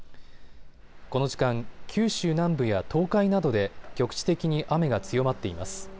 この時間、九州南部や東海などで局地的に雨が強まっています。